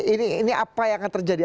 ini apa yang akan terjadi